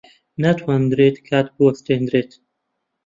ناتوانرێت کات بوەستێنرێت.